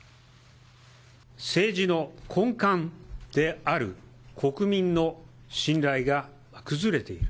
政治の根幹である国民の信頼が崩れている。